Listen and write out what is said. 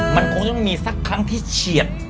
มันคงจะไม่มีสักครั้งที่เฉียด